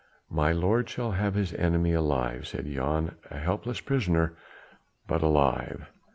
"My lord shall have his enemy alive," said Jan, "a helpless prisoner ... but alive."